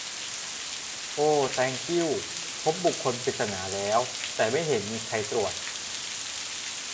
โอ แต้งกิ้ว พบบุคคลปริศนาแล้ว แต่ไม่เห็นมีใครตรวจ